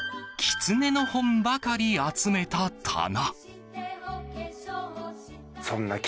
キツネの本ばかり集めた棚。